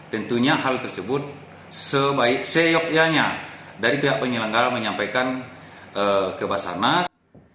tentunya hal tersebut sebaik seyokyanya dari pihak penyelenggara menyampaikan ke basarnas